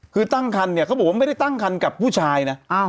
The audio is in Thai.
คือตั้งคันเนี่ยเขาบอกว่าไม่ได้ตั้งคันกับผู้ชายนะ